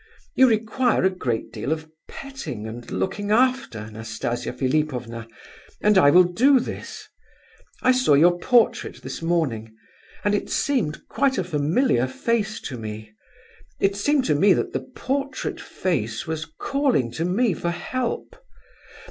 You require a great deal of petting and looking after, Nastasia Philipovna, and I will do this. I saw your portrait this morning, and it seemed quite a familiar face to me; it seemed to me that the portrait face was calling to me for help.